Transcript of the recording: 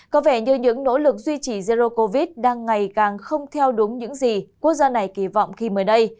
có vẻ như những nỗ lực duy trì erdo covid đang ngày càng không theo đúng những gì quốc gia này kỳ vọng khi mới đây